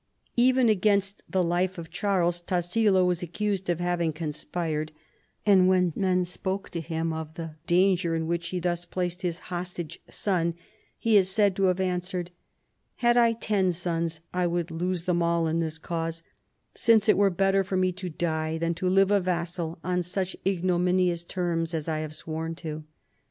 Even against the life of Charles, Tassilo was accused of having conspired, and when men spoke to him of the danger in which he thus placed his hostage son, he is said to have answered : "Had I ten sons I would lose them all in this cause, since it were better for me to die than to live a vassal on such ignominious terms as I have sworn to."